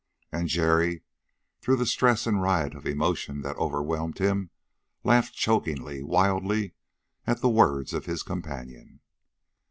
And Jerry, through the stress and riot of emotion that overwhelmed him, laughed chokingly, wildly, at the words of his companion.